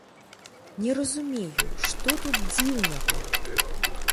Не разумею, што тут дзіўнага.